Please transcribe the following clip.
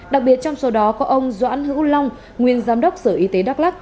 đặc biệt trong số đó có ông doãn hữu long nguyên giám đốc sở y tế đắk lắc